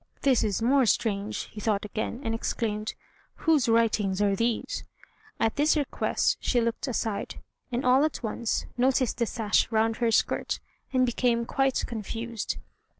"This is more strange!" he thought again; and exclaimed, "Whose writings are these?" At this request she looked aside, and all at once noticed the sash round her skirt, and became quite confused.